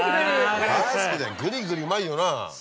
大好きだよグリグリうまいよな？